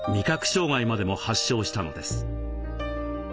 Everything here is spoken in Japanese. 障害までも発症したのです。